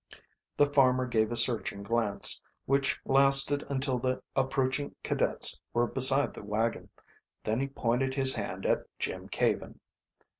The farmer gave a searching glance, which lasted until the approaching cadets were beside the wagon. Then he pointed his hand at Jim Caven.